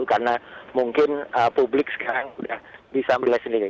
karena mungkin publik sekarang sudah bisa menilai sendiri